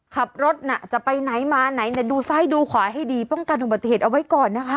ขับรถน่ะจะไปไหนมาไหนดูซ้ายดูขวาให้ดีป้องกันอุบัติเหตุเอาไว้ก่อนนะคะ